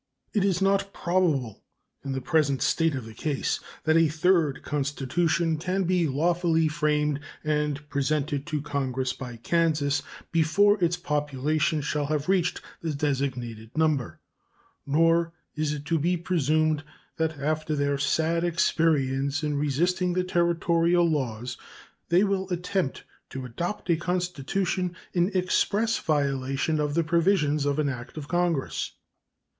It is not probable, in the present state of the case, that a third constitution can be lawfully framed and presented to Congress by Kansas before its population shall have reached the designated number. Nor is it to be presumed that after their sad experience in resisting the Territorial laws they will attempt to adopt a constitution in express violation of the provisions of an act of Congress.